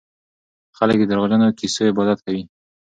خلک د دروغجنو کيسو عبادت کوي.